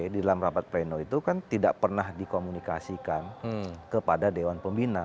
di dalam rapat pleno itu kan tidak pernah dikomunikasikan kepada dewan pembina